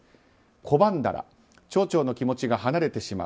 拒んだら町長の気持ちが離れてしまう。